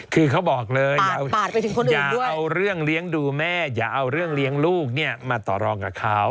คือเขาบอกเลยอย่าเอาเรื่องเลี้ยงดูแม่อย่าเอาเรื่องเลี้ยงลูกเนี่ยมาต่อรองกับเขา